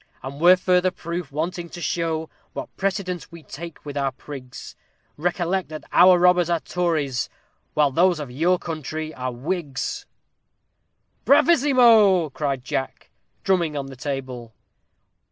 And were further proof wanting to show what precedence we take with our prigs, Recollect that our robbers are Tories, while those of your country are Whigs. "Bravissimo!" cried Jack, drumming upon the table.